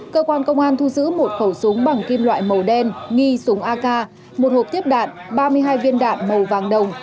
cơ quan công an thu giữ một khẩu súng bằng kim loại màu đen nghi súng ak một hộp tiếp đạn ba mươi hai viên đạn màu vàng đồng